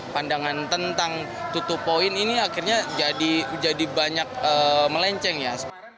pandangan tentang tutup poin ini akhirnya jadi banyak melenceng ya